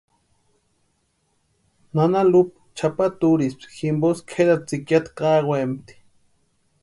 Nana Lupa chʼapata úrispti jimposï kʼerati tsïkiata kaawempti.